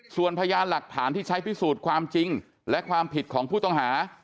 ส่วนพยานหลักฐานที่ใช้พิสูจน์ความจริงและความผิดของผู้ต้องหา